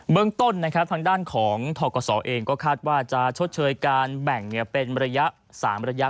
เมืองต้นนะครับทางด้านของทกศเองก็คาดว่าจะชดเชยการแบ่งเป็นระยะ๓ระยะ